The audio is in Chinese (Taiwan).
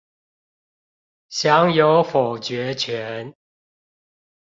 享有否決權